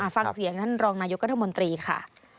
ฟังเสียงท่านรองนายกรัฐมนตรีค่ะ